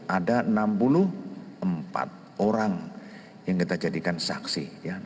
ada enam puluh empat orang yang kita jadikan saksi